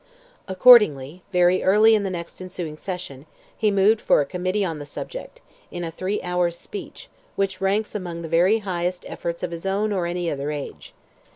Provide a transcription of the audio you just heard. Accordingly, very early in the next ensuing session, he moved for a committee on the subject, in a three hours' speech, which ranks among the very highest efforts of his own or any other age.